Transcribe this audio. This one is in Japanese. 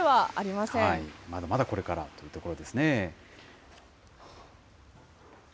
まだまだこれからというところですね。